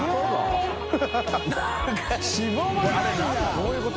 そういうこと？